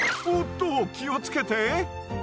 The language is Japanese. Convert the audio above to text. おっと気を付けて。